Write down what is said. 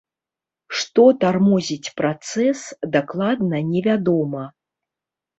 Што тармозіць працэс, дакладна невядома.